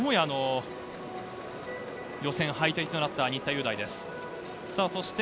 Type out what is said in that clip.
予選敗退となった新田祐大です。